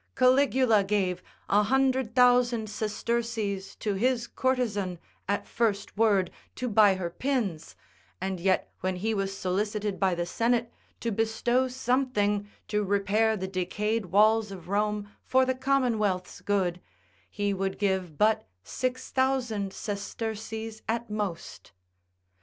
Caligula gave 100,000 sesterces to his courtesan at first word, to buy her pins, and yet when he was solicited by the senate to bestow something to repair the decayed walls of Rome for the commonwealth's good, he would give but 6000 sesterces at most.